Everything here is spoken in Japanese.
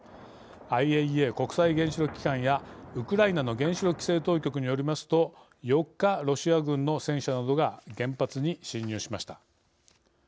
ＩＡＥＡ＝国際原子力機関やウクライナの原子力規制当局によりますと４日、ロシア軍の戦車などが原発に侵入しました。